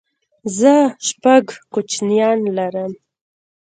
زه شپږ کوچنيان لرم